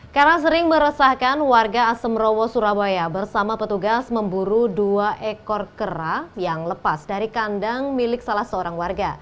karena sering meresahkan warga asemrowo surabaya bersama petugas memburu dua ekor kera yang lepas dari kandang milik salah seorang warga